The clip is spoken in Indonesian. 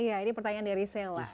iya ini pertanyaan dari sela